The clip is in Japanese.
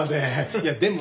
いやでも。